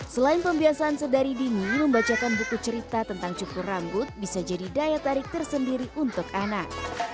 selain pembiasaan sedari dini membacakan buku cerita tentang cukur rambut bisa jadi daya tarik tersendiri untuk anak